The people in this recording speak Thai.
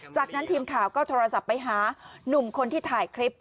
จากนั้นทีมข่าวก็โทรศัพท์ไปหานุ่มคนที่ถ่ายคลิป